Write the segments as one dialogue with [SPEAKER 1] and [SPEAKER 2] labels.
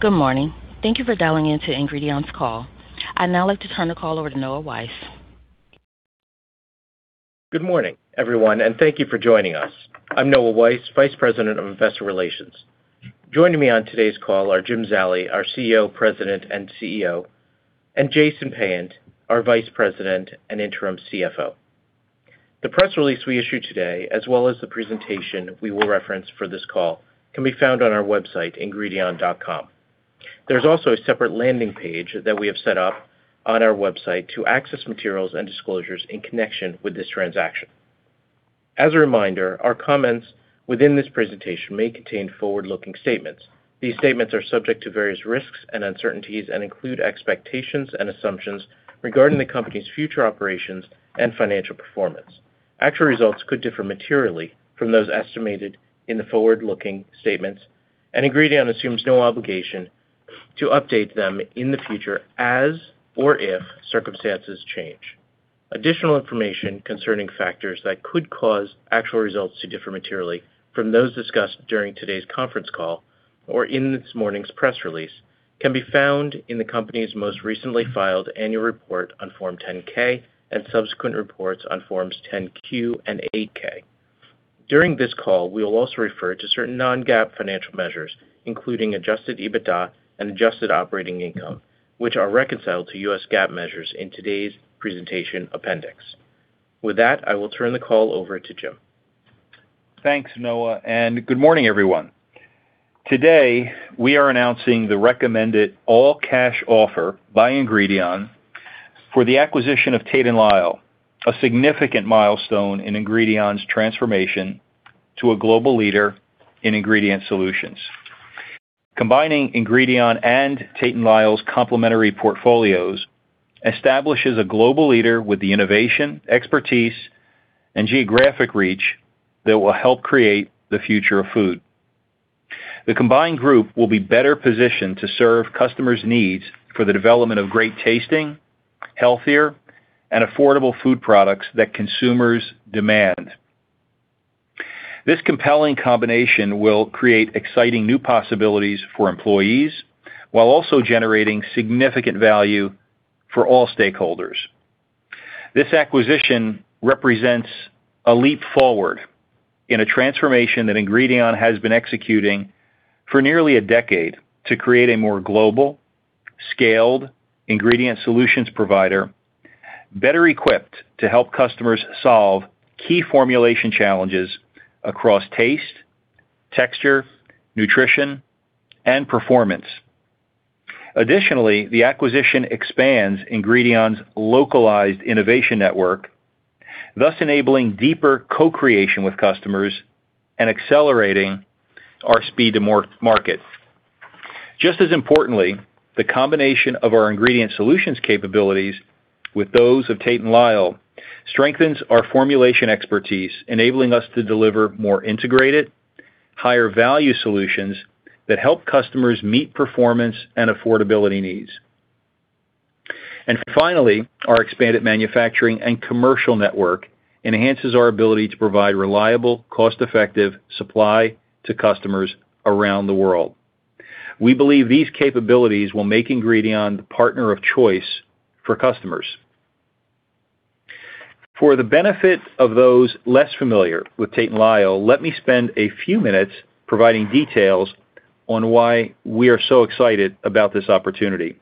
[SPEAKER 1] Good morning. Thank you for dialing in to Ingredion's call. I'd now like to turn the call over to Noah Weiss.
[SPEAKER 2] Good morning, everyone. Thank you for joining us. I'm Noah Weiss, vice president of investor relations. Joining me on today's call are Jim Zallie, our CEO, president, and CEO, and Jason Payant, our vice president and interim CFO. The press release we issued today, as well as the presentation we will reference for this call, can be found on our website, ingredion.com. There's also a separate landing page that we have set up on our website to access materials and disclosures in connection with this transaction. As a reminder, our comments within this presentation may contain forward-looking statements. These statements are subject to various risks and uncertainties and include expectations and assumptions regarding the company's future operations and financial performance. Actual results could differ materially from those estimated in the forward-looking statements, and Ingredion assumes no obligation to update them in the future as or if circumstances change. Additional information concerning factors that could cause actual results to differ materially from those discussed during today's conference call or in this morning's press release can be found in the company's most recently filed annual report on Form 10-K and subsequent reports on Forms 10-Q and 8-K. During this call, we will also refer to certain non-GAAP financial measures, including adjusted EBITDA and adjusted operating income, which are reconciled to U.S. GAAP measures in today's presentation appendix. With that, I will turn the call over to Jim.
[SPEAKER 3] Thanks, Noah. Good morning, everyone. Today, we are announcing the recommended all-cash offer by Ingredion for the acquisition of Tate & Lyle, a significant milestone in Ingredion's transformation to a global leader in ingredient solutions. Combining Ingredion and Tate & Lyle's complementary portfolios establishes a global leader with the innovation, expertise, and geographic reach that will help create the future of food. The combined group will be better positioned to serve customers' needs for the development of great tasting, healthier, and affordable food products that consumers demand. This compelling combination will create exciting new possibilities for employees while also generating significant value for all stakeholders. This acquisition represents a leap forward in a transformation that Ingredion has been executing for nearly a decade to create a more global, scaled ingredient solutions provider, better equipped to help customers solve key formulation challenges across taste, texture, nutrition, and performance. Additionally, the acquisition expands Ingredion's localized innovation network, thus enabling deeper co-creation with customers and accelerating our speed to market. Just as importantly, the combination of our ingredient solutions capabilities with those of Tate & Lyle strengthens our formulation expertise, enabling us to deliver more integrated, higher value solutions that help customers meet performance and affordability needs. Finally, our expanded manufacturing and commercial network enhances our ability to provide reliable, cost-effective supply to customers around the world. We believe these capabilities will make Ingredion the partner of choice for customers. For the benefit of those less familiar with Tate & Lyle, let me spend a few minutes providing details on why we are so excited about this opportunity.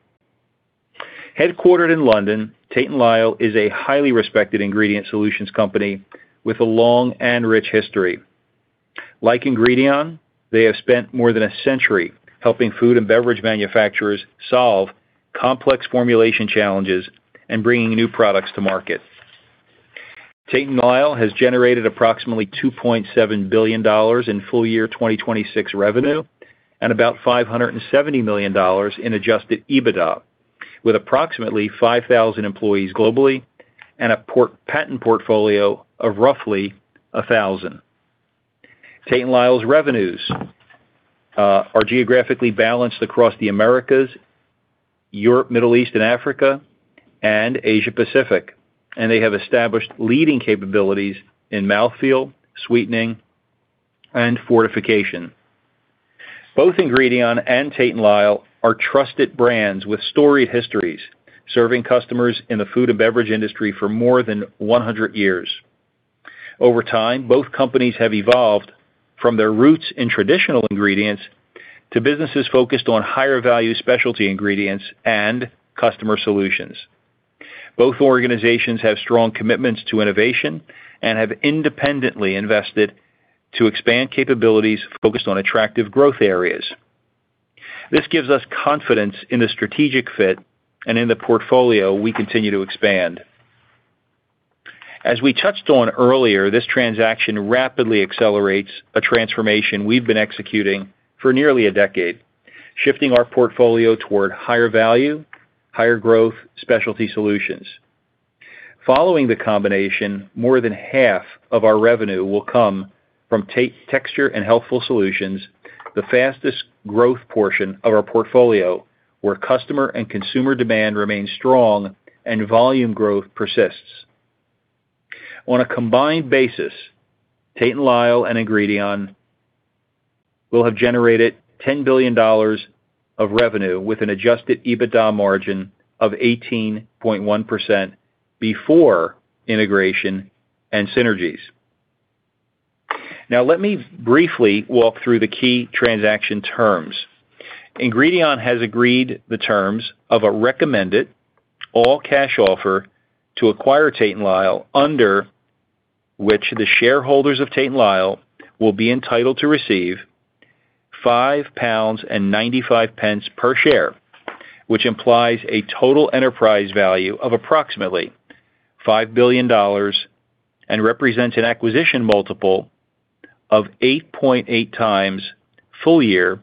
[SPEAKER 3] Headquartered in London, Tate & Lyle is a highly respected ingredient solutions company with a long and rich history. Like Ingredion, they have spent more than a century helping food and beverage manufacturers solve complex formulation challenges and bringing new products to market. Tate & Lyle has generated approximately $2.7 billion in full year 2026 revenue and about $570 million in adjusted EBITDA, with approximately 5,000 employees globally and a patent portfolio of roughly 1,000. Tate & Lyle's revenues are geographically balanced across the Americas, Europe, Middle East and Africa, and Asia Pacific, and they have established leading capabilities in mouthfeel, sweetening, and fortification. Both Ingredion and Tate & Lyle are trusted brands with storied histories, serving customers in the food and beverage industry for more than 100 years. Over time, both companies have evolved from their roots in traditional ingredients to businesses focused on higher value specialty ingredients and customer solutions. Both organizations have strong commitments to innovation and have independently invested to expand capabilities focused on attractive growth areas. This gives us confidence in the strategic fit and in the portfolio we continue to expand. As we touched on earlier, this transaction rapidly accelerates a transformation we've been executing for nearly a decade, shifting our portfolio toward higher value, higher growth specialty solutions. Following the combination, more than half of our revenue will come from Texture and Healthful Solutions, the fastest growth portion of our portfolio, where customer and consumer demand remains strong and volume growth persists. On a combined basis, Tate & Lyle and Ingredion will have generated $10 billion of revenue with an adjusted EBITDA margin of 18.1% before integration and synergies. Let me briefly walk through the key transaction terms. Ingredion has agreed the terms of a recommended all-cash offer to acquire Tate & Lyle, under which the shareholders of Tate & Lyle will be entitled to receive £5.95 per share, which implies a total enterprise value of approximately $5 billion and represents an acquisition multiple of 8.8 times full-year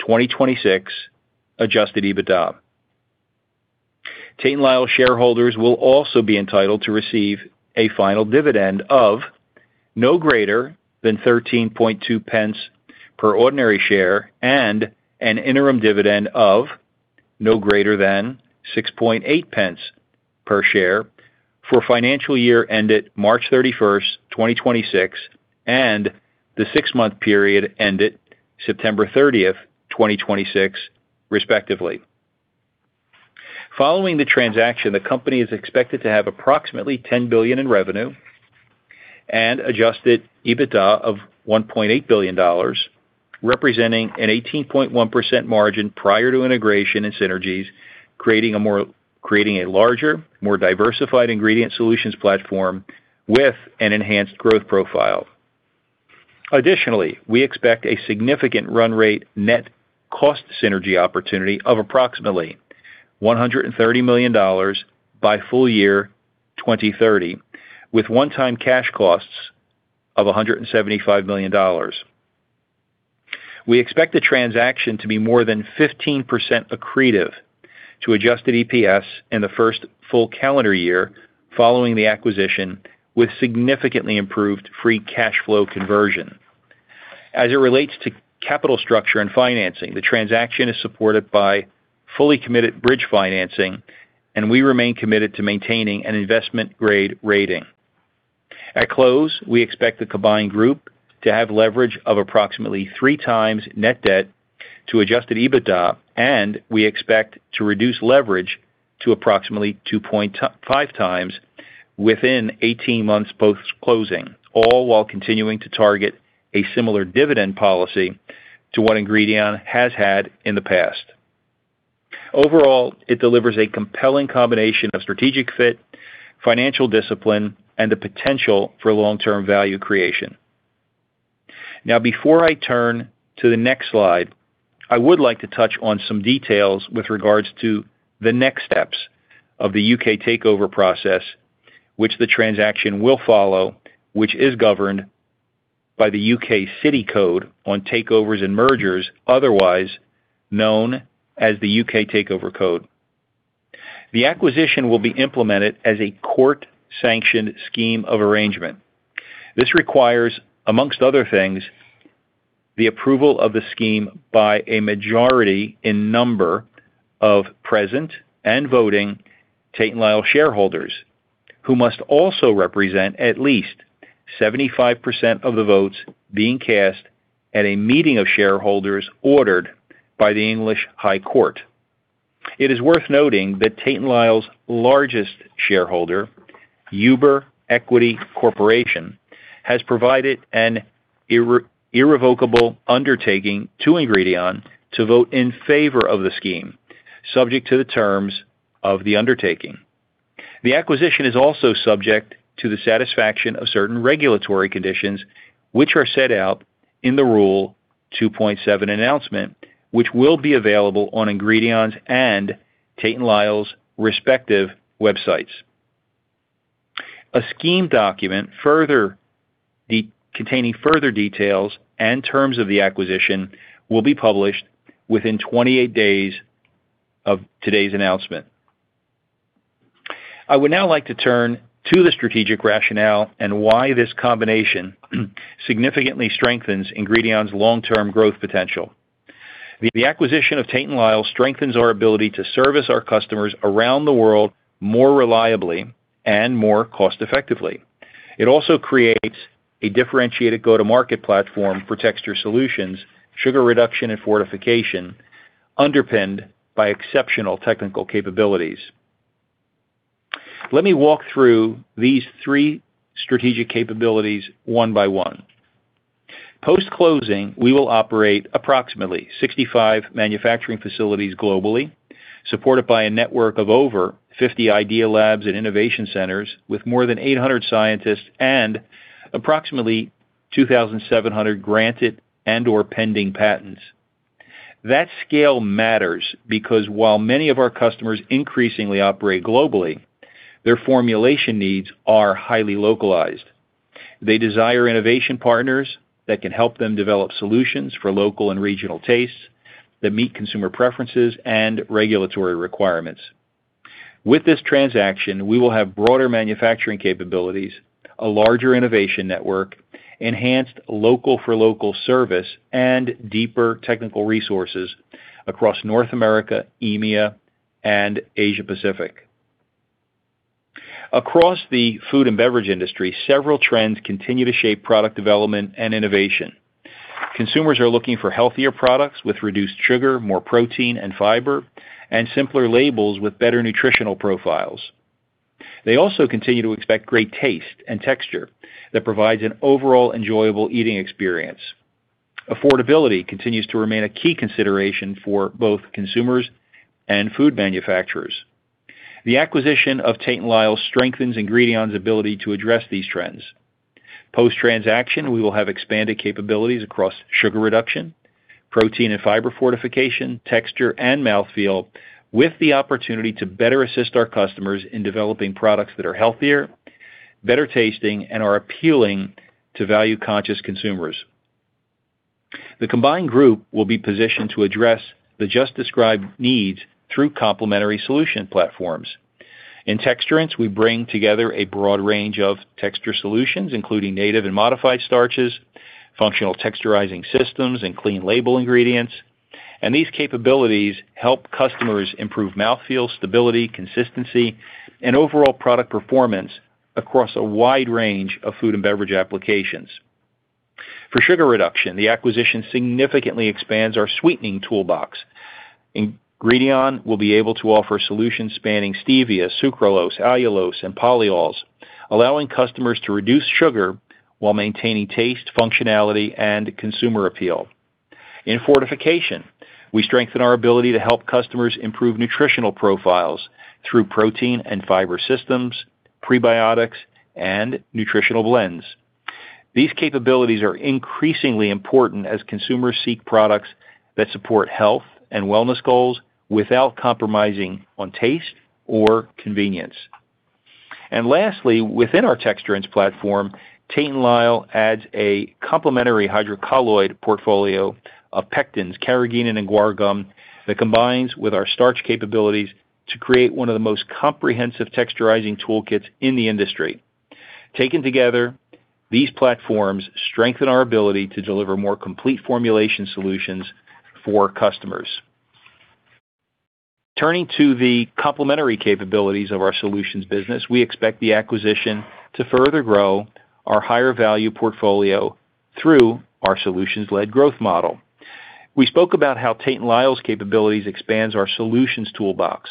[SPEAKER 3] 2026 adjusted EBITDA. Tate & Lyle shareholders will also be entitled to receive a final dividend of no greater than 0.132 per ordinary share and an interim dividend of no greater than 0.068 per share for financial year ended March 31st, 2026, and the six-month period ended September 30th, 2026, respectively. Following the transaction, the company is expected to have approximately $10 billion in revenue and adjusted EBITDA of $1.8 billion, representing an 18.1% margin prior to integration and synergies, creating a larger, more diversified ingredient solutions platform with an enhanced growth profile. Additionally, we expect a significant run rate net cost synergy opportunity of approximately $130 million by full year 2030, with one-time cash costs of $175 million. We expect the transaction to be more than 15% accretive to adjusted EPS in the first full calendar year following the acquisition, with significantly improved free cash flow conversion. As it relates to capital structure and financing, the transaction is supported by fully committed bridge financing, and we remain committed to maintaining an investment-grade rating. At close, we expect the combined group to have leverage of approximately three times net debt to adjusted EBITDA, and we expect to reduce leverage to approximately 2.5 times within 18 months post-closing, all while continuing to target a similar dividend policy to what Ingredion has had in the past. Overall, it delivers a compelling combination of strategic fit, financial discipline, and the potential for long-term value creation. Before I turn to the next slide, I would like to touch on some details with regards to the next steps of the U.K. takeover process, which the transaction will follow, which is governed by the U.K. City Code on Takeovers and Mergers, otherwise known as the U.K. Takeover Code. The acquisition will be implemented as a court-sanctioned scheme of arrangement. This requires, amongst other things, the approval of the scheme by a majority in number of present and voting Tate & Lyle shareholders, who must also represent at least 75% of the votes being cast at a meeting of shareholders ordered by the High Court of Justice. It is worth noting that Tate & Lyle's largest shareholder, Huber Equity Corporation, has provided an irrevocable undertaking to Ingredion to vote in favor of the scheme, subject to the terms of the undertaking. The acquisition is also subject to the satisfaction of certain regulatory conditions, which are set out in the Rule 2.7 announcement, which will be available on Ingredion's and Tate & Lyle's respective websites. A scheme document containing further details and terms of the acquisition will be published within 28 days of today's announcement. I would now like to turn to the strategic rationale and why this combination significantly strengthens Ingredion's long-term growth potential. The acquisition of Tate & Lyle strengthens our ability to service our customers around the world more reliably and more cost-effectively. It also creates a differentiated go-to-market platform for texture solutions, sugar reduction, and fortification underpinned by exceptional technical capabilities. Let me walk through these three strategic capabilities one by one. Post-closing, we will operate approximately 65 manufacturing facilities globally, supported by a network of over 50 Idea Labs and innovation centers with more than 800 scientists and approximately 2,700 granted and/or pending patents. That scale matters because while many of our customers increasingly operate globally, their formulation needs are highly localized. They desire innovation partners that can help them develop solutions for local and regional tastes that meet consumer preferences and regulatory requirements. With this transaction, we will have broader manufacturing capabilities, a larger innovation network, enhanced local for local service, and deeper technical resources across North America, EMEA, and Asia Pacific. Across the food and beverage industry, several trends continue to shape product development and innovation. Consumers are looking for healthier products with reduced sugar, more protein and fiber, and simpler labels with better nutritional profiles. They also continue to expect great taste and texture that provides an overall enjoyable eating experience. Affordability continues to remain a key consideration for both consumers and food manufacturers. The acquisition of Tate & Lyle strengthens Ingredion's ability to address these trends. Post-transaction, we will have expanded capabilities across sugar reduction, protein and fiber fortification, texture, and mouthfeel, with the opportunity to better assist our customers in developing products that are healthier, better tasting, and are appealing to value-conscious consumers. The combined group will be positioned to address the just described needs through complementary solution platforms. In Texturants, we bring together a broad range of texture solutions, including native and modified starches, functional texturizing systems, and clean label ingredients. These capabilities help customers improve mouthfeel, stability, consistency, and overall product performance across a wide range of food and beverage applications. For sugar reduction, the acquisition significantly expands our sweetening toolbox. Ingredion will be able to offer solutions spanning stevia, sucralose, allulose, and polyols, allowing customers to reduce sugar while maintaining taste, functionality, and consumer appeal. In fortification, we strengthen our ability to help customers improve nutritional profiles through protein and fiber systems, prebiotics, and nutritional blends. These capabilities are increasingly important as consumers seek products that support health and wellness goals without compromising on taste or convenience. Lastly, within our Texturants platform, Tate & Lyle adds a complementary hydrocolloid portfolio of pectins, carrageenan, and guar gum that combines with our starch capabilities to create one of the most comprehensive texturizing toolkits in the industry. Taken together, these platforms strengthen our ability to deliver more complete formulation solutions for customers. Turning to the complementary capabilities of our solutions business, we expect the acquisition to further grow our higher value portfolio through our solutions-led growth model. We spoke about how Tate & Lyle's capabilities expands our solutions toolbox,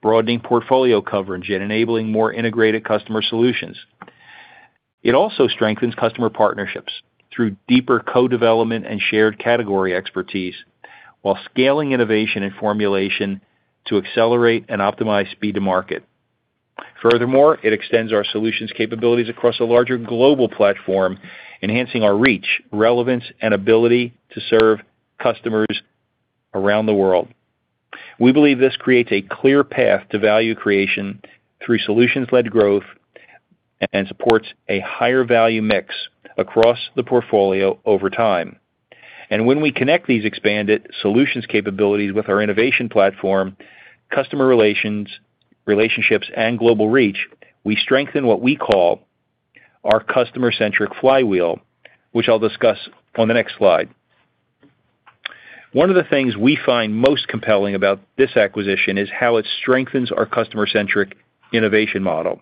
[SPEAKER 3] broadening portfolio coverage and enabling more integrated customer solutions. It also strengthens customer partnerships through deeper co-development and shared category expertise, while scaling innovation and formulation to accelerate and optimize speed to market. Furthermore, it extends our solutions capabilities across a larger global platform, enhancing our reach, relevance, and ability to serve customers around the world. We believe this creates a clear path to value creation through solutions-led growth and supports a higher value mix across the portfolio over time. When we connect these expanded solutions capabilities with our innovation platform, customer relationships, and global reach, we strengthen what we call our customer-centric flywheel, which I'll discuss on the next slide. One of the things we find most compelling about this acquisition is how it strengthens our customer-centric innovation model.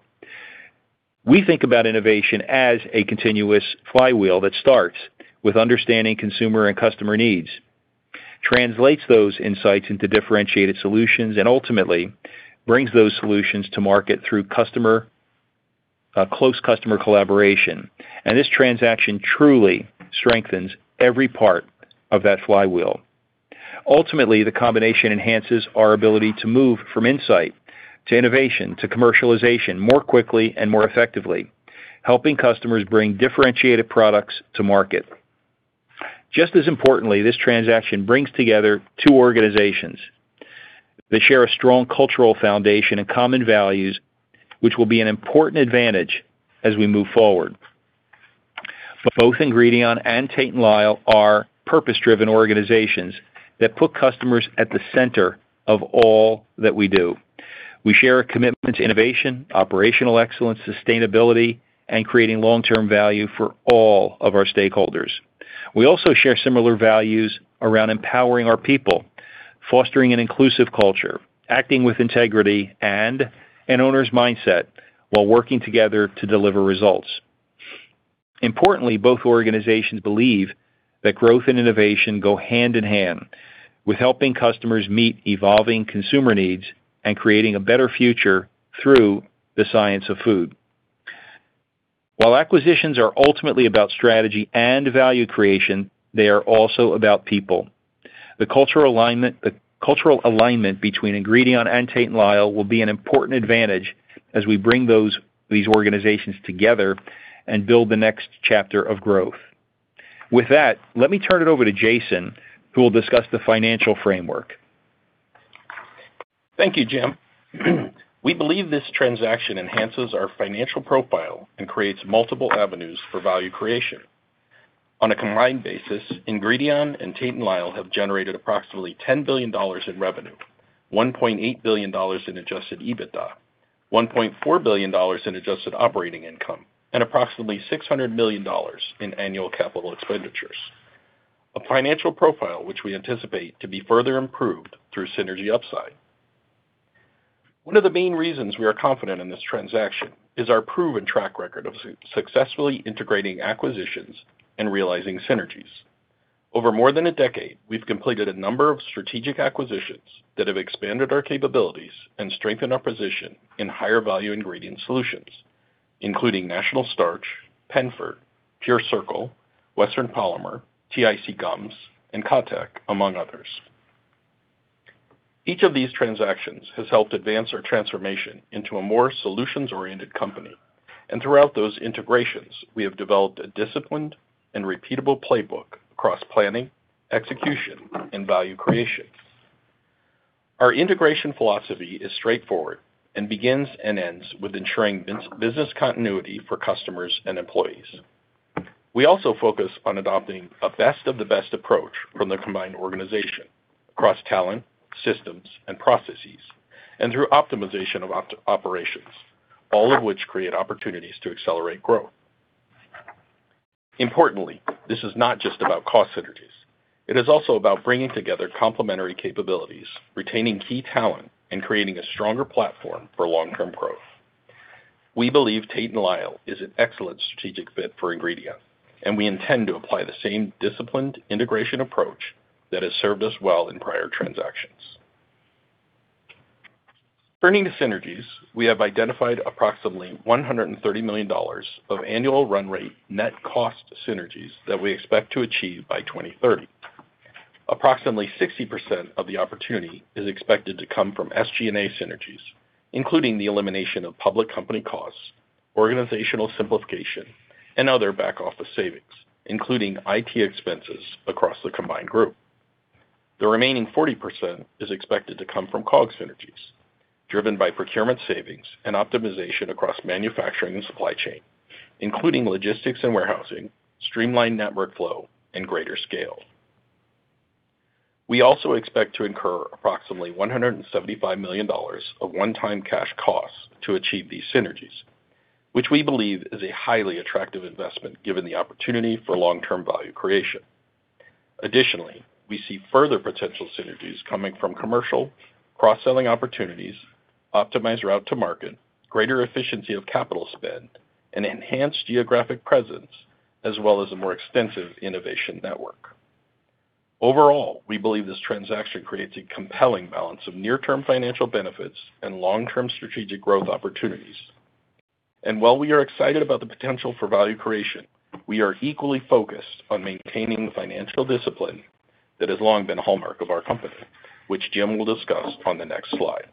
[SPEAKER 3] We think about innovation as a continuous flywheel that starts with understanding consumer and customer needs, translates those insights into differentiated solutions, and ultimately brings those solutions to market through close customer collaboration. This transaction truly strengthens every part of that flywheel. Ultimately, the combination enhances our ability to move from insight to innovation, to commercialization more quickly and more effectively, helping customers bring differentiated products to market. Just as importantly, this transaction brings together two organizations that share a strong cultural foundation and common values, which will be an important advantage as we move forward. Both Ingredion and Tate & Lyle are purpose-driven organizations that put customers at the center of all that we do. We share a commitment to innovation, operational excellence, sustainability, and creating long-term value for all of our stakeholders. We also share similar values around empowering our people, fostering an inclusive culture, acting with integrity and an owner's mindset while working together to deliver results. Importantly, both organizations believe that growth and innovation go hand in hand with helping customers meet evolving consumer needs and creating a better future through the science of food. While acquisitions are ultimately about strategy and value creation, they are also about people. The cultural alignment between Ingredion and Tate & Lyle will be an important advantage as we bring these organizations together and build the next chapter of growth. With that, let me turn it over to Jason, who will discuss the financial framework.
[SPEAKER 4] Thank you, Jim. We believe this transaction enhances our financial profile and creates multiple avenues for value creation. On a combined basis, Ingredion and Tate & Lyle have generated approximately $10 billion in revenue, $1.8 billion in adjusted EBITDA, $1.4 billion in adjusted operating income and approximately $600 million in annual capital expenditures. A financial profile which we anticipate to be further improved through synergy upside. One of the main reasons we are confident in this transaction is our proven track record of successfully integrating acquisitions and realizing synergies. Over more than a decade, we've completed a number of strategic acquisitions that have expanded our capabilities and strengthened our position in higher value ingredient solutions, including National Starch, Penford, PureCircle, Western Polymer, TIC Gums, and KaTech, among others. Each of these transactions has helped advance our transformation into a more solutions-oriented company, and throughout those integrations, we have developed a disciplined and repeatable playbook across planning, execution, and value creation. Our integration philosophy is straightforward and begins and ends with ensuring business continuity for customers and employees. We also focus on adopting a best-of-the-best approach from the combined organization across talent, systems, and processes, and through optimization of operations, all of which create opportunities to accelerate growth. Importantly, this is not just about cost synergies. It is also about bringing together complementary capabilities, retaining key talent, and creating a stronger platform for long-term growth. We believe Tate & Lyle is an excellent strategic fit for Ingredion, and we intend to apply the same disciplined integration approach that has served us well in prior transactions. Turning to synergies, we have identified approximately $130 million of annual run rate net cost synergies that we expect to achieve by 2030. Approximately 60% of the opportunity is expected to come from SG&A synergies, including the elimination of public company costs, organizational simplification, and other back-office savings, including IT expenses across the combined group. The remaining 40% is expected to come from COGS synergies driven by procurement savings and optimization across manufacturing and supply chain, including logistics and warehousing, streamlined network flow, and greater scale. We also expect to incur approximately $175 million of one-time cash costs to achieve these synergies, which we believe is a highly attractive investment given the opportunity for long-term value creation. Additionally, we see further potential synergies coming from commercial cross-selling opportunities, optimized route to market, greater efficiency of capital spend, and enhanced geographic presence, as well as a more extensive innovation network. Overall, we believe this transaction creates a compelling balance of near-term financial benefits and long-term strategic growth opportunities. While we are excited about the potential for value creation, we are equally focused on maintaining the financial discipline that has long been a hallmark of our company, which Jim will discuss on the next slide.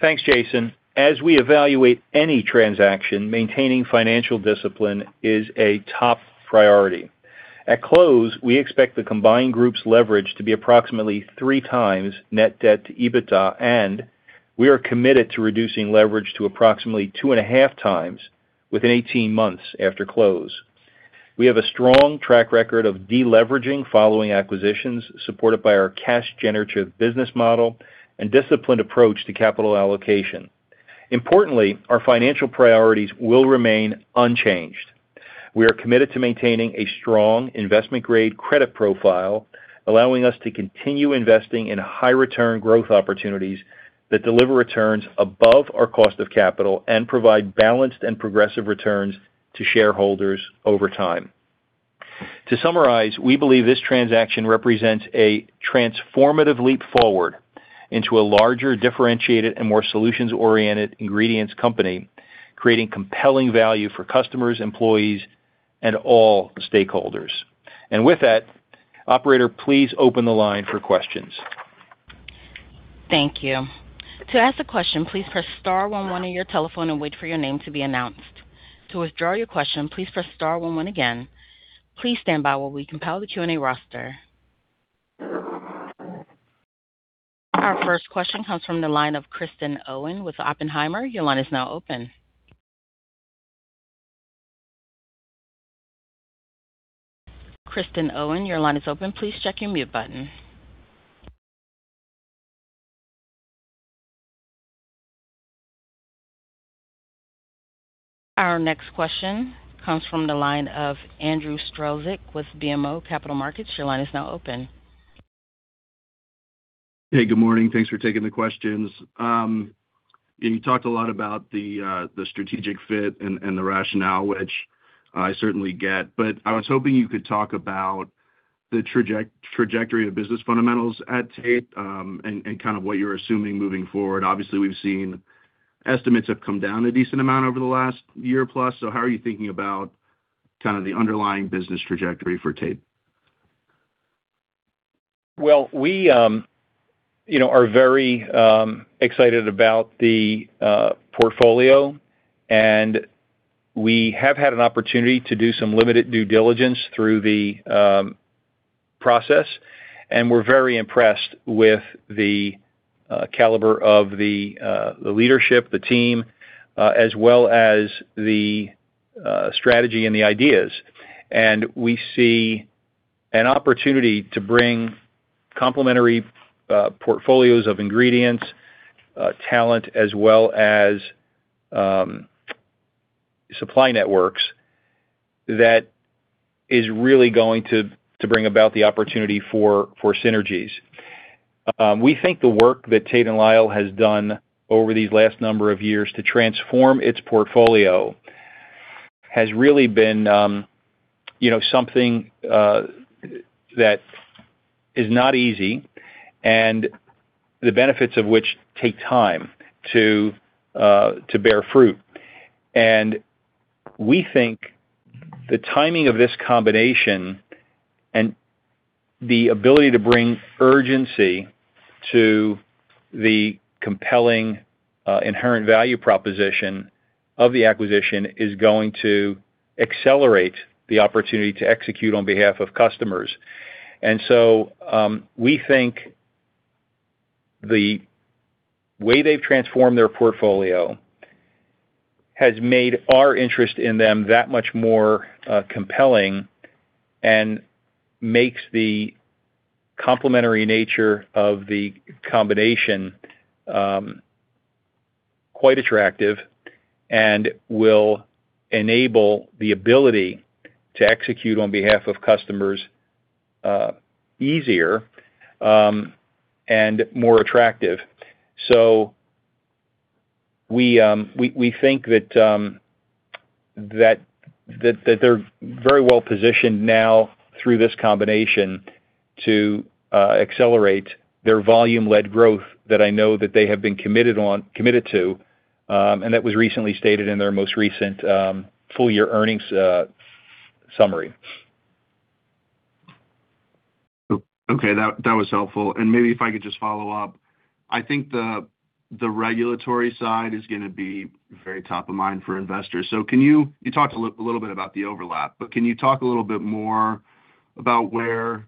[SPEAKER 3] Thanks, Jason. As we evaluate any transaction, maintaining financial discipline is a top priority. At close, we expect the combined group's leverage to be approximately three times net debt to EBITDA, and we are committed to reducing leverage to approximately two and a half times within 18 months after close. We have a strong track record of deleveraging following acquisitions, supported by our cash generative business model and disciplined approach to capital allocation. Importantly, our financial priorities will remain unchanged. We are committed to maintaining a strong investment-grade credit profile, allowing us to continue investing in high return growth opportunities that deliver returns above our cost of capital and provide balanced and progressive returns to shareholders over time. To summarize, we believe this transaction represents a transformative leap forward into a larger, differentiated, and more solutions-oriented ingredients company, creating compelling value for customers, employees, and all stakeholders. With that, operator, please open the line for questions.
[SPEAKER 1] Thank you. To ask a question, please press star one one on your telephone and wait for your name to be announced. To withdraw your question, please press star one one again. Please stand by while we compile the Q&A roster. Our first question comes from the line of Kristen Owen with Oppenheimer. Your line is now open. Kristen Owen, your line is open. Please check your mute button. Our next question comes from the line of Andrew Strelzik with BMO Capital Markets. Your line is now open.
[SPEAKER 5] Good morning. Thanks for taking the questions. You talked a lot about the strategic fit and the rationale, which I certainly get, but I was hoping you could talk about the trajectory of business fundamentals at Tate & Lyle and what you're assuming moving forward. Obviously, we've seen estimates have come down a decent amount over the last year plus. How are you thinking about the underlying business trajectory for Tate & Lyle?
[SPEAKER 3] We are very excited about the portfolio, we have had an opportunity to do some limited due diligence through the process, and we're very impressed with the caliber of the leadership, the team as well as the strategy and the ideas. We see an opportunity to bring complementary portfolios of ingredients, talent, as well as supply networks that is really going to bring about the opportunity for synergies. We think the work that Tate & Lyle has done over these last number of years to transform its portfolio has really been something that is not easy, and the benefits of which take time to bear fruit. We think the timing of this combination and the ability to bring urgency to the compelling inherent value proposition of the acquisition is going to accelerate the opportunity to execute on behalf of customers. We think the way they've transformed their portfolio has made our interest in them that much more compelling and makes the complementary nature of the combination quite attractive and will enable the ability to execute on behalf of customers easier and more attractive. We think that they're very well positioned now through this combination to accelerate their volume-led growth that I know that they have been committed to and that was recently stated in their most recent full-year earnings summary.
[SPEAKER 5] Okay. That was helpful. Maybe if I could just follow up, I think the regulatory side is going to be very top of mind for investors. You talked a little bit about the overlap, but can you talk a little bit more about where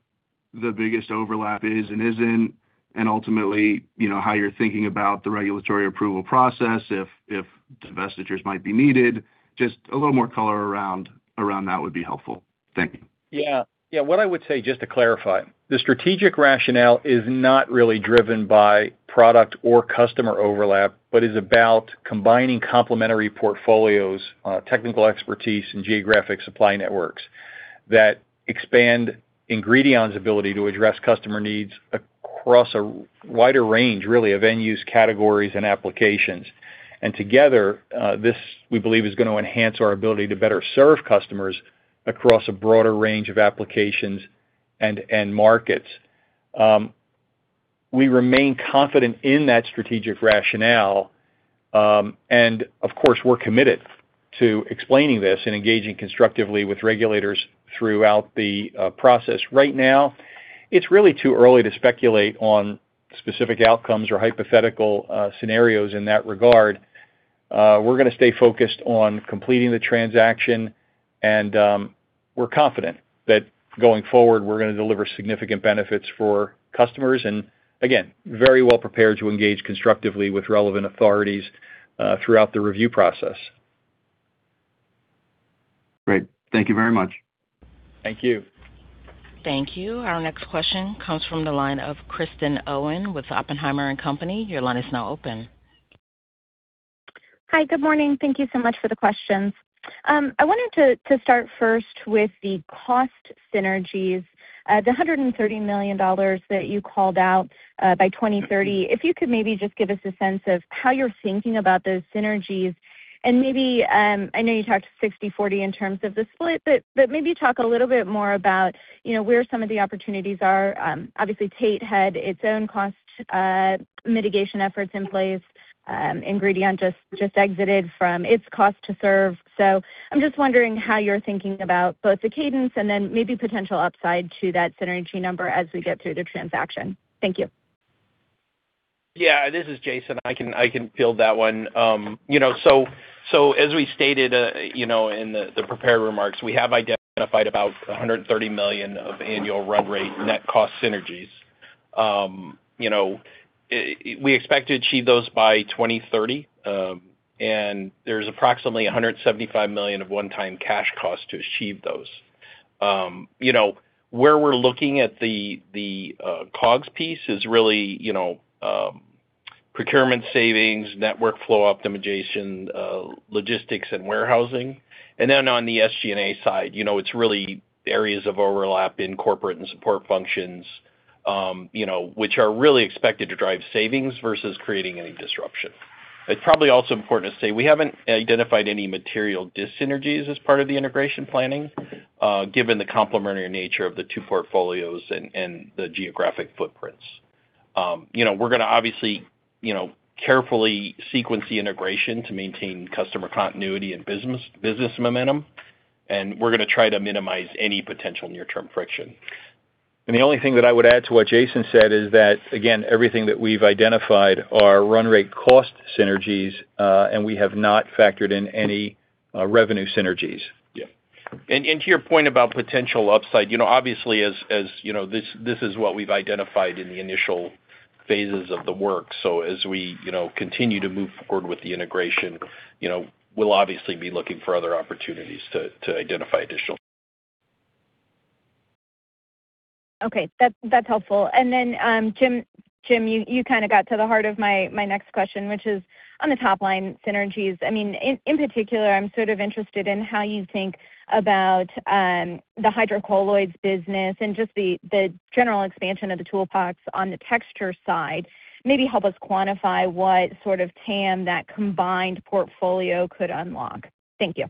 [SPEAKER 5] the biggest overlap is and isn't, and ultimately, how you're thinking about the regulatory approval process if divestitures might be needed? Just a little more color around that would be helpful. Thank you.
[SPEAKER 3] Yeah. What I would say, just to clarify, the strategic rationale is not really driven by product or customer overlap, but is about combining complementary portfolios, technical expertise, and geographic supply networks that expand Ingredion's ability to address customer needs across a wider range, really, of end-use categories and applications. Together, this, we believe, is going to enhance our ability to better serve customers across a broader range of applications and markets. We remain confident in that strategic rationale. Of course, we're committed to explaining this and engaging constructively with regulators throughout the process. Right now, it's really too early to speculate on specific outcomes or hypothetical scenarios in that regard. We're going to stay focused on completing the transaction, and we're confident that going forward, we're going to deliver significant benefits for customers, and again, very well prepared to engage constructively with relevant authorities throughout the review process.
[SPEAKER 5] Great. Thank you very much.
[SPEAKER 3] Thank you.
[SPEAKER 1] Thank you. Our next question comes from the line of Kristen Owen with Oppenheimer & Company. Your line is now open.
[SPEAKER 6] Hi. Good morning. Thank you so much for the questions. I wanted to start first with the cost synergies, the $130 million that you called out by 2030. If you could maybe just give us a sense of how you're thinking about those synergies and maybe, I know you talked 60/40 in terms of the split, but maybe talk a little bit more about where some of the opportunities are. Obviously, Tate had its own cost mitigation efforts in place. Ingredion just exited from its cost to serve. I'm just wondering how you're thinking about both the cadence and then maybe potential upside to that synergy number as we get through the transaction. Thank you.
[SPEAKER 4] This is Jason. I can field that one. As we stated in the prepared remarks, we have identified about $130 million of annual run rate net cost synergies. We expect to achieve those by 2030. There's approximately $175 million of one-time cash cost to achieve those. Where we're looking at the COGS piece is really procurement savings, network flow optimization, logistics, and warehousing. On the SG&A side, it's really areas of overlap in corporate and support functions which are really expected to drive savings versus creating any disruption. It's probably also important to say we haven't identified any material dyssynergies as part of the integration planning given the complementary nature of the two portfolios and the geographic footprints. We're going to obviously carefully sequence the integration to maintain customer continuity and business momentum, and we're going to try to minimize any potential near-term friction.
[SPEAKER 3] The only thing that I would add to what Jason said is that, again, everything that we've identified are run rate cost synergies, and we have not factored in any revenue synergies.
[SPEAKER 6] Yeah.
[SPEAKER 3] To your point about potential upside, obviously, this is what we've identified in the initial phases of the work. As we continue to move forward with the integration, we'll obviously be looking for other opportunities to identify additional.
[SPEAKER 6] Okay. That's helpful. Jim, you kind of got to the heart of my next question, which is on the top line synergies. In particular, I'm sort of interested in how you think about the hydrocolloids business and just the general expansion of the toolbox on the texture side. Maybe help us quantify what sort of TAM that combined portfolio could unlock. Thank you.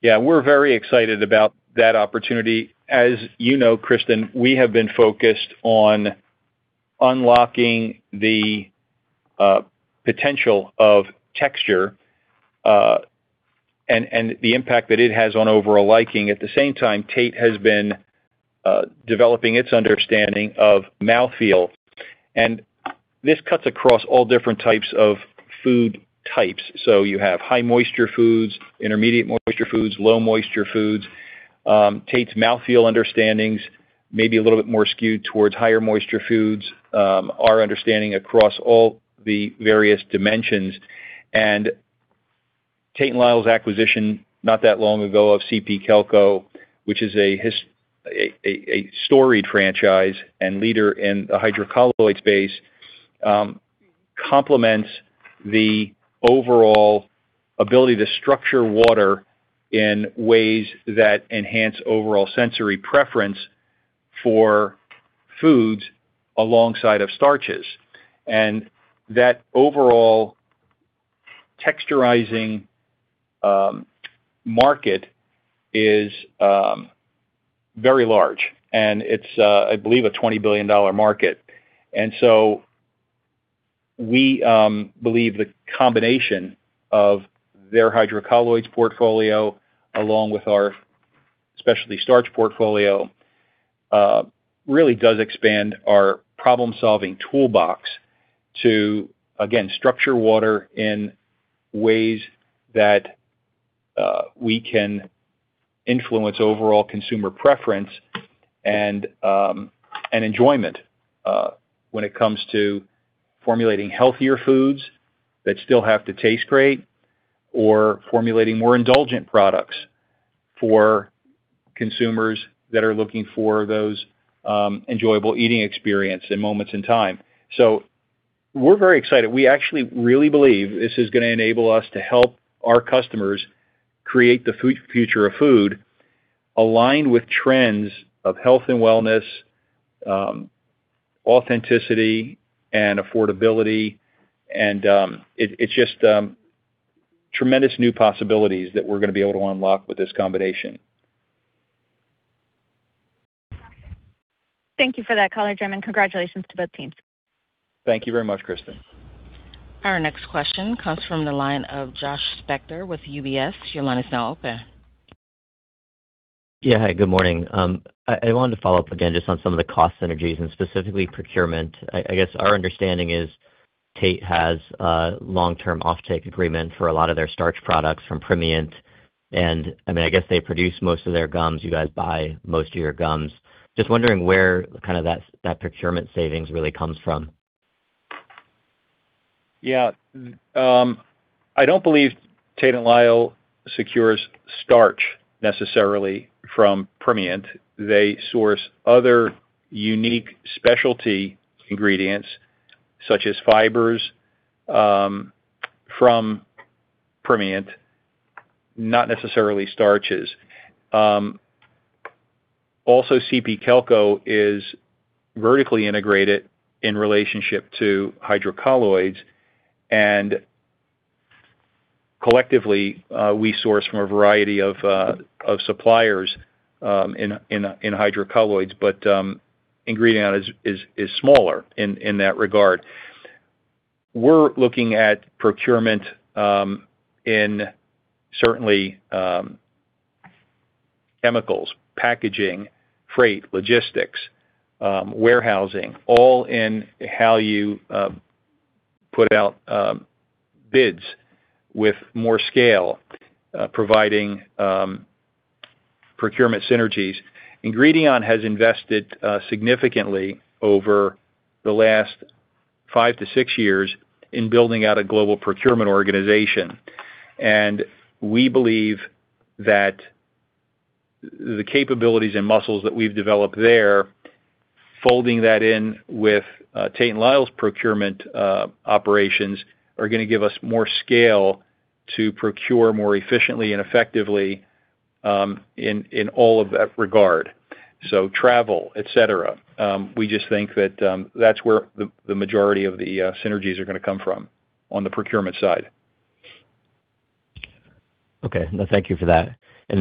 [SPEAKER 3] Yeah. We're very excited about that opportunity. As you know, Kristen, we have been focused on unlocking the potential of texture, and the impact that it has on overall liking. At the same time, Tate has been developing its understanding of mouthfeel, and this cuts across all different types of food types. You have high moisture foods, intermediate moisture foods, low moisture foods. Tate's mouthfeel understandings may be a little bit more skewed towards higher moisture foods. Our understanding across all the various dimensions and Tate & Lyle's acquisition, not that long ago of CP Kelco, which is a storied franchise and leader in the hydrocolloid space, complements the overall ability to structure water in ways that enhance overall sensory preference for foods alongside of starches. That overall texturizing market is very large, and it's, I believe, a $20 billion market. We believe the combination of their hydrocolloids portfolio, along with our specialty starch portfolio, really does expand our problem-solving toolbox to, again, structure water in ways that we can influence overall consumer preference and enjoyment, when it comes to formulating healthier foods that still have to taste great or formulating more indulgent products for consumers that are looking for those enjoyable eating experience in moments in time. We're very excited. We actually really believe this is going to enable us to help our customers create the future of food aligned with trends of health and wellness, authenticity and affordability. It's just tremendous new possibilities that we're going to be able to unlock with this combination.
[SPEAKER 6] Thank you for that color, Jim, and congratulations to both teams.
[SPEAKER 3] Thank you very much, Kristen.
[SPEAKER 1] Our next question comes from the line of Joshua Spector with UBS. Your line is now open.
[SPEAKER 7] Yeah. Hi, good morning. I wanted to follow up again just on some of the cost synergies and specifically procurement. I guess our understanding is Tate has a long-term offtake agreement for a lot of their starch products from Primient, and I guess they produce most of their gums. You guys buy most of your gums. Just wondering where that procurement savings really comes from.
[SPEAKER 3] Yeah. I do not believe Tate & Lyle secures starch necessarily from Primient. They source other unique specialty ingredients, such as fibers, from Primient, not necessarily starches. Also, CP Kelco is vertically integrated in relationship to hydrocolloids, and collectively, we source from a variety of suppliers in hydrocolloids, but Ingredion is smaller in that regard. We are looking at procurement in certainly chemicals, packaging, freight, logistics, warehousing, all in how you put out bids with more scale, providing procurement synergies. Ingredion has invested significantly over the last five to six years in building out a global procurement organization, and we believe that the capabilities and muscles that we have developed there, folding that in with Tate & Lyle's procurement operations, are going to give us more scale to procure more efficiently and effectively in all of that regard. Travel, et cetera. We just think that that is where the majority of the synergies are going to come from on the procurement side.
[SPEAKER 7] Okay. No, thank you for that. I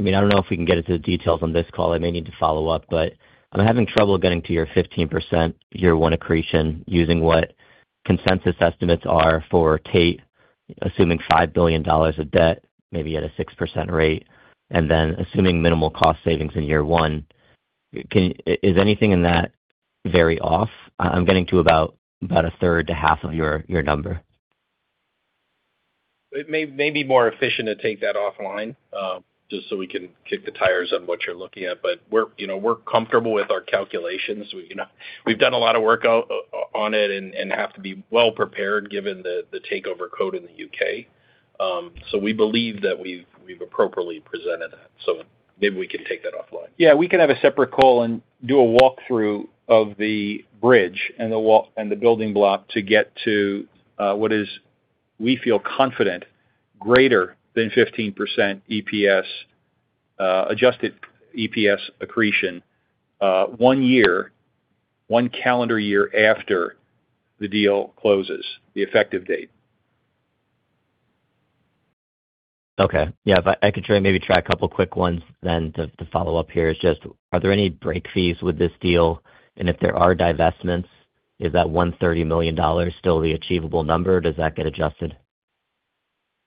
[SPEAKER 7] do not know if we can get into the details on this call. I may need to follow up, but I am having trouble getting to your 15% year one accretion using what consensus estimates are for Tate, assuming $5 billion of debt, maybe at a 6% rate, and then assuming minimal cost savings in year one. Is anything in that very off? I am getting to about a third to half of your number.
[SPEAKER 4] It may be more efficient to take that offline, we can kick the tires on what you are looking at. We are comfortable with our calculations. We have done a lot of work on it and have to be well-prepared given the Takeover Code in the U.K. We believe that we have appropriately presented that. Maybe we can take that offline.
[SPEAKER 3] Yeah, we can have a separate call and do a walkthrough of the bridge and the building block to get to what is, we feel confident, greater than 15% adjusted EPS accretion one calendar year after the deal closes, the effective date.
[SPEAKER 7] Okay. Yeah. If I could maybe try a couple of quick ones then to follow up here is just, are there any break fees with this deal? If there are divestments, is that $130 million still the achievable number, or does that get adjusted?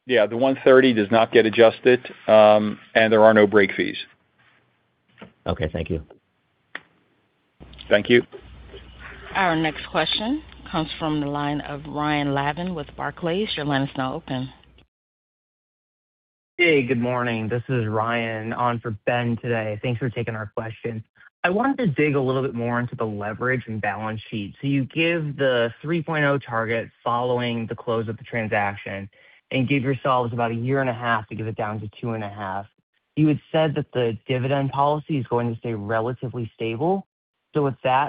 [SPEAKER 3] Yeah, the 130 does not get adjusted, there are no break fees.
[SPEAKER 7] Okay, thank you.
[SPEAKER 4] Thank you.
[SPEAKER 1] Our next question comes from the line of Ryan Lavin with Barclays. Your line is now open.
[SPEAKER 8] Hey, good morning. This is Ryan on for Ben today. Thanks for taking our question. I wanted to dig a little bit more into the leverage and balance sheet. You give the 3.0 target following the close of the transaction and give yourselves about a year and a half to get it down to two and a half. With that,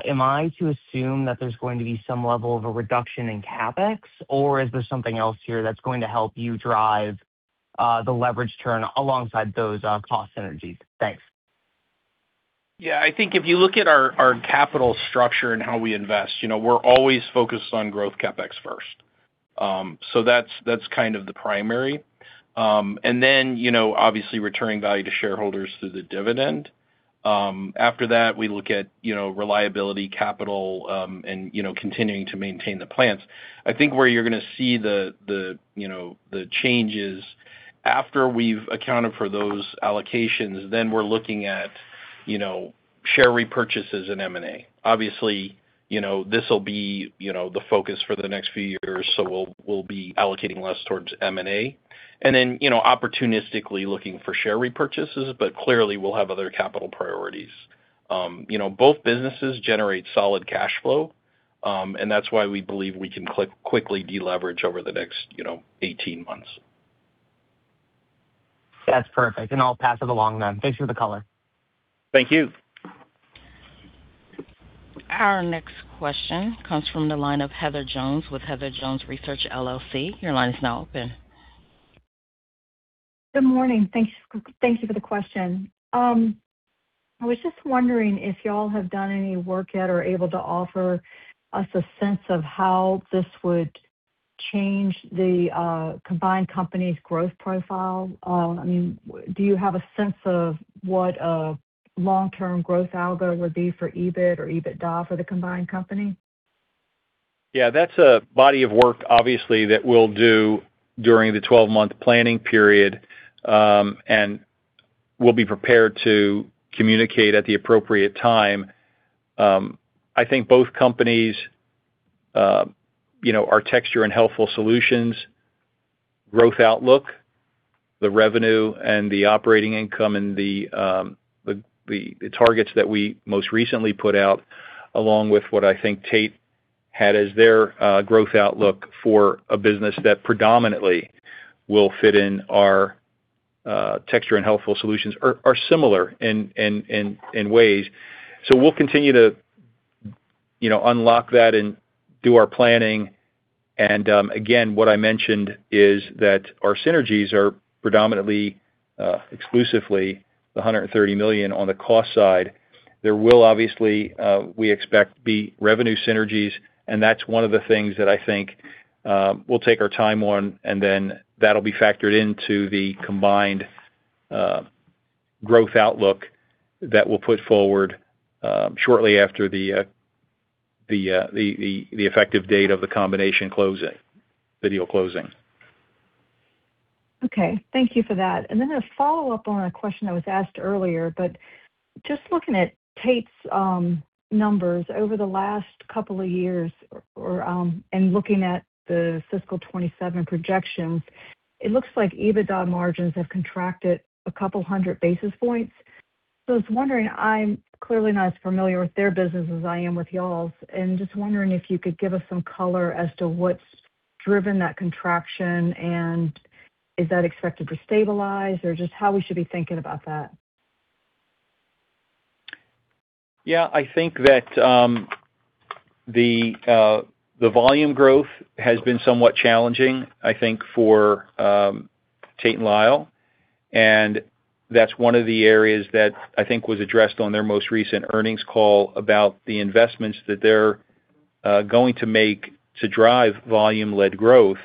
[SPEAKER 8] am I to assume that there's going to be some level of a reduction in CapEx, or is there something else here that's going to help you drive the leverage turn alongside those cost synergies? Thanks.
[SPEAKER 4] Yeah, I think if you look at our capital structure and how we invest, we're always focused on growth CapEx first. That's kind of the primary. Then, obviously, returning value to shareholders through the dividend. After that, we look at reliability capital, and continuing to maintain the plants. I think where you're going to see the changes after we've accounted for those allocations, then we're looking at share repurchases and M&A. Obviously, this will be the focus for the next few years, we'll be allocating less towards M&A. Then, opportunistically looking for share repurchases, but clearly, we'll have other capital priorities. Both businesses generate solid cash flow, and that's why we believe we can quickly deleverage over the next 18 months.
[SPEAKER 8] That's perfect, and I'll pass it along then. Thanks for the color.
[SPEAKER 4] Thank you.
[SPEAKER 1] Our next question comes from the line of Heather Jones with Heather Jones Research, LLC. Your line is now open.
[SPEAKER 9] Good morning. Thank you for the question. I was just wondering if you all have done any work at or able to offer us a sense of how this would change the combined company's growth profile. Do you have a sense of what a long-term growth algo would be for EBIT or EBITDA for the combined company?
[SPEAKER 3] That's a body of work, obviously, that we'll do during the 12-month planning period, and we'll be prepared to communicate at the appropriate time. I think both companies, our Texture and Healthful Solutions growth outlook, the revenue and the operating income, and the targets that we most recently put out, along with what I think Tate had as their growth outlook for a business that predominantly will fit in our Texture and Healthful Solutions are similar in ways. We'll continue to unlock that and do our planning, and again, what I mentioned is that our synergies are predominantly, exclusively, the $130 million on the cost side. There will obviously, we expect, be revenue synergies, that's one of the things that I think we'll take our time on, then that'll be factored into the combined growth outlook that we'll put forward shortly after the effective date of the combination closing, the deal closing.
[SPEAKER 9] Okay. Thank you for that. A follow-up on a question that was asked earlier, just looking at Tate's numbers over the last couple of years and looking at the fiscal 2027 projections, it looks like EBITDA margins have contracted a couple of hundred basis points. I was wondering, I'm clearly not as familiar with their business as I am with y'all's, just wondering if you could give us some color as to what's driven that contraction, is that expected to stabilize, or just how we should be thinking about that?
[SPEAKER 3] I think that the volume growth has been somewhat challenging, I think, for Tate & Lyle, that's one of the areas that I think was addressed on their most recent earnings call about the investments that they're going to make to drive volume-led growth.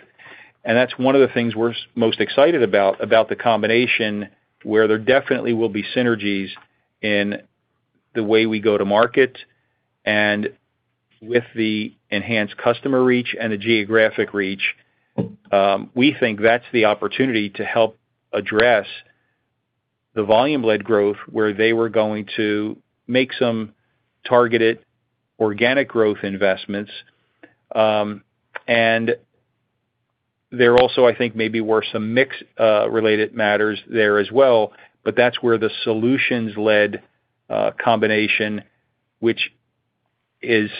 [SPEAKER 3] That's one of the things we're most excited about the combination, where there definitely will be synergies in the way we go to market and with the enhanced customer reach and the geographic reach. We think that's the opportunity to help address the volume-led growth where they were going to make some targeted organic growth investments. There also, I think, maybe were some mix-related matters there as well. That's where the solutions-led combination, which is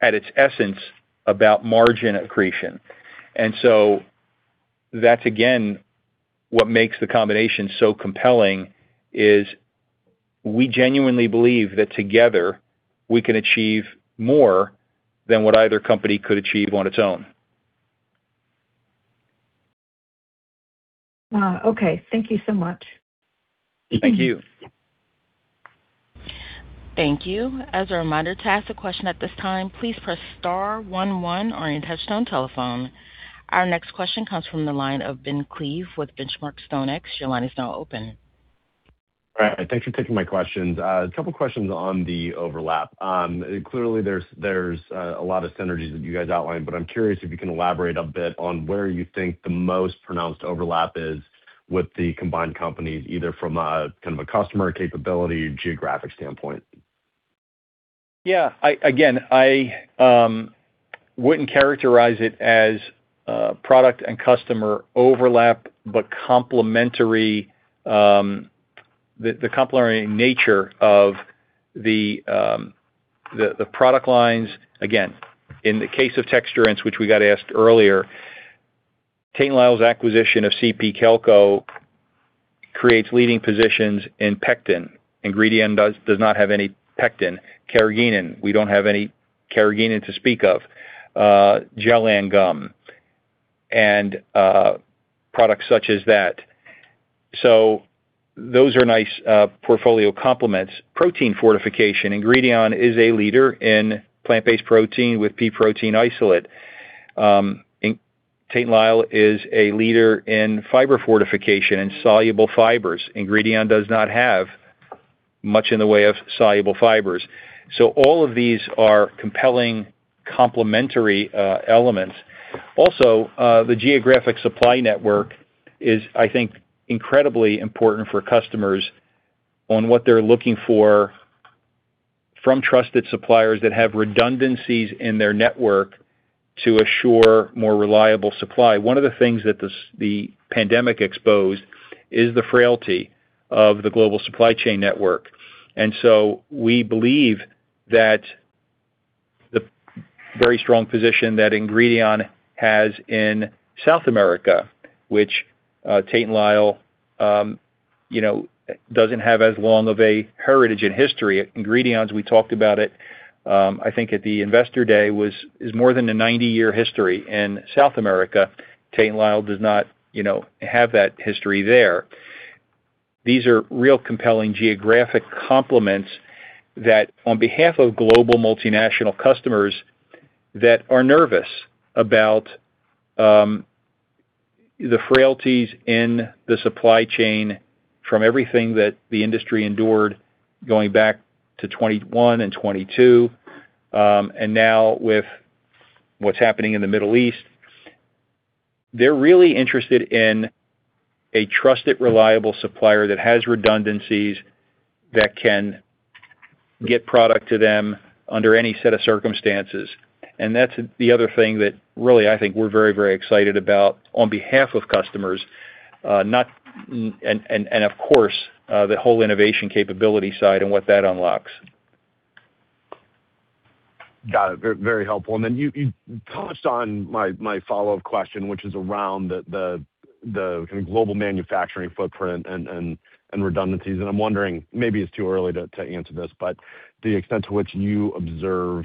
[SPEAKER 3] at its essence, about margin accretion. That's again, what makes the combination so compelling is we genuinely believe that together we can achieve more than what either company could achieve on its own.
[SPEAKER 9] Okay. Thank you so much.
[SPEAKER 3] Thank you.
[SPEAKER 1] Thank you. As a reminder, to ask a question at this time, please press star one one on your touch-tone telephone. Our next question comes from the line of Ben Klieve with Benchmark StoneX. Your line is now open.
[SPEAKER 10] All right. Thanks for taking my questions. A couple questions on the overlap. Clearly, there's a lot of synergies that you guys outlined, but I'm curious if you can elaborate a bit on where you think the most pronounced overlap is with the combined companies, either from a customer capability or geographic standpoint.
[SPEAKER 3] Yeah. I wouldn't characterize it as product and customer overlap, but the complementary nature of the product lines. In the case of texturants, which we got asked earlier, Tate & Lyle's acquisition of CP Kelco creates leading positions in pectins. Ingredion does not have any pectins. Carrageenan, we don't have any carrageenan to speak of. Gellan gum and products such as that. Those are nice portfolio complements. Protein fortification. Ingredion is a leader in plant-based protein with pea protein isolate. Tate & Lyle is a leader in fiber fortification and soluble fibers. Ingredion does not have much in the way of soluble fibers. All of these are compelling complementary elements. The geographic supply network is, I think, incredibly important for customers on what they're looking for from trusted suppliers that have redundancies in their network to assure more reliable supply. One of the things that the pandemic exposed is the frailty of the global supply chain network. We believe that the very strong position that Ingredion has in South America, which Tate & Lyle doesn't have as long of a heritage and history. Ingredion's, we talked about it, I think at the Investor Day, is more than a 90-year history in South America. Tate & Lyle does not have that history there. These are real compelling geographic complements that on behalf of global multinational customers that are nervous about the frailties in the supply chain from everything that the industry endured going back to 2021 and 2022. Now with what's happening in the Middle East, they're really interested in a trusted, reliable supplier that has redundancies, that can get product to them under any set of circumstances. That's the other thing that really, I think we're very excited about on behalf of customers. Of course, the whole innovation capability side and what that unlocks.
[SPEAKER 10] Got it. Very helpful. Then you touched on my follow-up question, which is around the global manufacturing footprint and redundancies. I'm wondering, maybe it's too early to answer this, but the extent to which you observe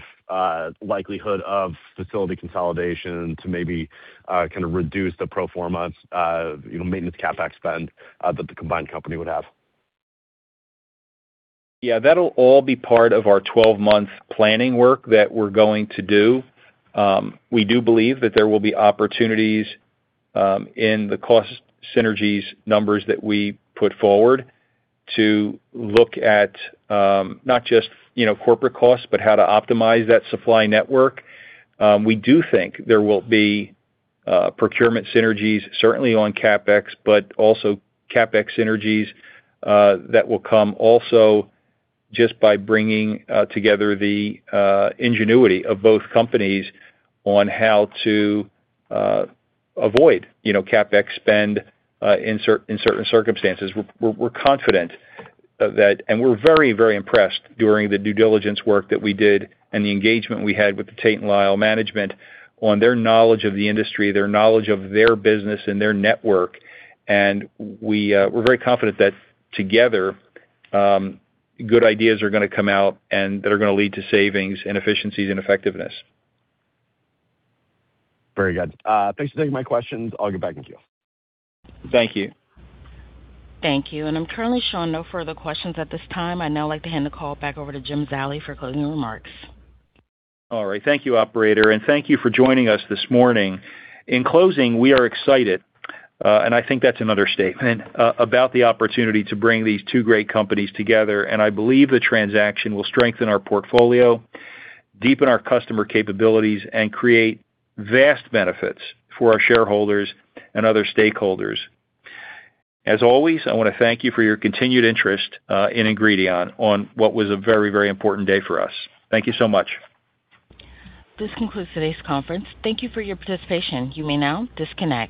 [SPEAKER 10] likelihood of facility consolidation to maybe kind of reduce the pro forma maintenance CapEx spend that the combined company would have.
[SPEAKER 3] Yeah, that'll all be part of our 12-month planning work that we're going to do. We do believe that there will be opportunities in the cost synergies numbers that we put forward to look at not just corporate costs, but how to optimize that supply network. We do think there will be procurement synergies, certainly on CapEx, but also CapEx synergies that will come also just by bringing together the ingenuity of both companies on how to avoid CapEx spend in certain circumstances. We're confident of that. We're very impressed during the due diligence work that we did and the engagement we had with the Tate & Lyle management on their knowledge of the industry, their knowledge of their business and their network. We're very confident that together, good ideas are going to come out and that are going to lead to savings and efficiencies and effectiveness.
[SPEAKER 10] Very good. Thanks for taking my questions. I'll get back in queue.
[SPEAKER 3] Thank you.
[SPEAKER 1] Thank you. I'm currently showing no further questions at this time. I'd now like to hand the call back over to Jim Zallie for closing remarks.
[SPEAKER 3] All right. Thank you, operator, thank you for joining us this morning. In closing, we are excited, I think that's an understatement, about the opportunity to bring these two great companies together. I believe the transaction will strengthen our portfolio, deepen our customer capabilities, and create vast benefits for our shareholders and other stakeholders. As always, I want to thank you for your continued interest in Ingredion on what was a very important day for us. Thank you so much.
[SPEAKER 1] This concludes today's conference. Thank you for your participation. You may now disconnect.